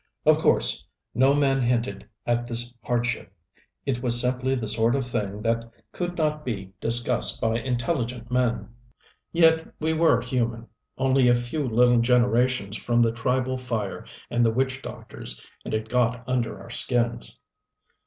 Of course no man hinted at this hardship. It was simply the sort of thing that could not be discussed by intelligent men. Yet we were human, only a few little generations from the tribal fire and the witch doctors, and it got under our skins.